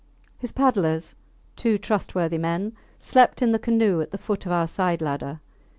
His paddlers, two trustworthy men, slept in the canoe at the foot of our side ladder.